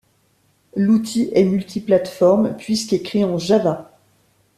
L'outil est multi-plateforme, puisqu'écrit en Java.